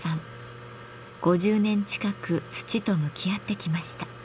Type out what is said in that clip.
５０年近く土と向き合ってきました。